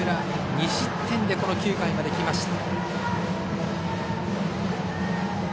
２失点でこの９回まできました。